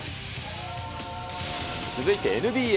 続いてＮＢＡ。